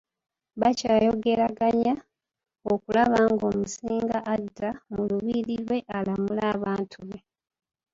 Bakyayogeraganya okulaba ng'Omusinga adda mu lubiri lwe alamule abantu be.